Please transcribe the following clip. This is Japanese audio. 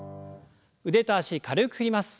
腕と脚軽く振ります。